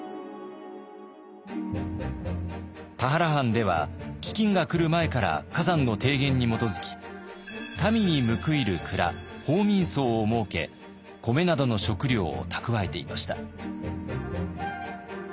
田原藩では飢饉が来る前から崋山の提言に基づき民に報いる倉報民倉を設け米などの食料を蓄えていました。